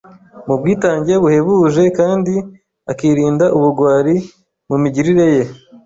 mu bwitange buhebuje kandi akirinda ubugwari mu migirire ye